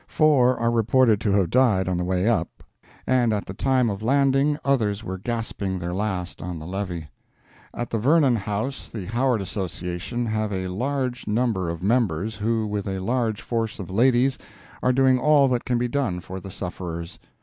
Four are reported to have died on the way up, and at the time of landing others were gasping their last on the levee. At the Vernon House the Howard Association have a large number of members, who, with a large force of ladies, are doing all that can be done for the sufferers.